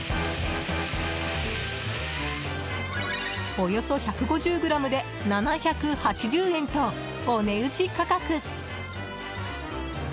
およそ１５０ｇで７８０円とお値打ち価格。